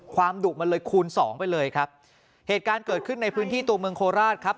ดุมันเลยคูณสองไปเลยครับเหตุการณ์เกิดขึ้นในพื้นที่ตัวเมืองโคราชครับ